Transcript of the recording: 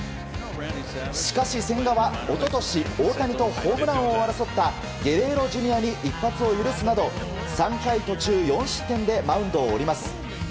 しかし千賀は、一昨年、大谷とホームラン王を争ったゲレーロＪｒ．に一発を許すなど３回途中４失点でマウンドを降ります。